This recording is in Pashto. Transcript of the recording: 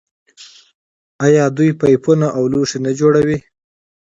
آیا دوی پایپونه او لوښي نه جوړوي؟